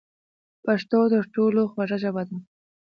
پښتو تر ټولو خوږه ژبه ده.